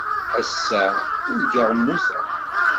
Ass-a, urgaɣ mmuteɣ.